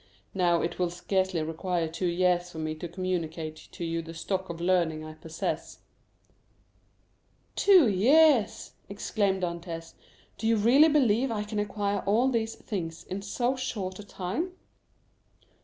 Now, it will scarcely require two years for me to communicate to you the stock of learning I possess." "Two years!" exclaimed Dantès; "do you really believe I can acquire all these things in so short a time?"